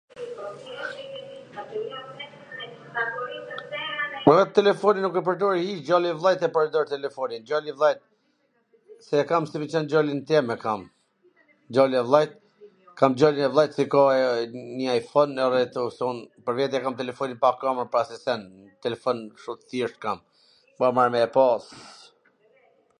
Po edhe telefonin nuk e pwrdori iC, djali i vllait e pwrdor telefonin, djali i vllait, se e kam si meqen djalin tem e kam, djali i vllait, kam djalin e vllait qw ka njw ai fon, edhe ktu se un telefonin e kam pa asnjw send, telefon kshtu t thjesht kam, po e marr me e pa.